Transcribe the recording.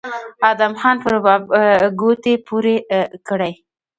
ادم خان په رباب ګوتې پورې کړې